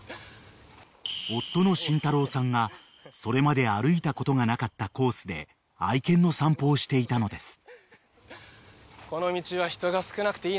［夫の慎太郎さんがそれまで歩いたことがなかったコースで愛犬の散歩をしていたのです］